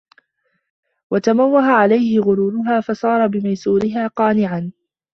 وَتَمَوَّهَ عَلَيْهِ غُرُورُهَا فَصَارَ بِمَيْسُورِهَا قَانِعًا